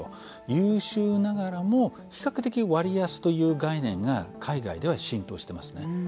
優秀ながら比較的割安という概念が海外では浸透していますね。